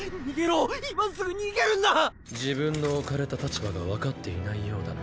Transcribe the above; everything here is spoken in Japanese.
自分の置かれた立場が分かっていないようだな。